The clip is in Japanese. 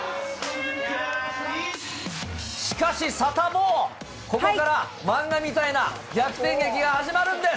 しかし、サタボー、ここから漫画みたいな逆転劇が始まるんです。